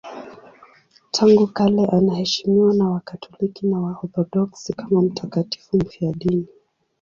Tangu kale anaheshimiwa na Wakatoliki na Waorthodoksi kama mtakatifu mfiadini.